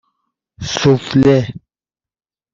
سوفله